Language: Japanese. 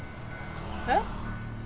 えっ？